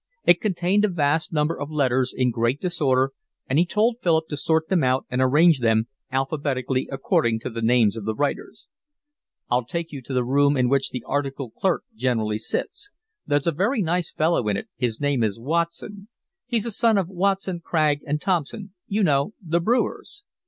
It contained a vast number of letters in great disorder, and he told Philip to sort them out and arrange them alphabetically according to the names of the writers. "I'll take you to the room in which the articled clerk generally sits. There's a very nice fellow in it. His name is Watson. He's a son of Watson, Crag, and Thompson—you know—the brewers.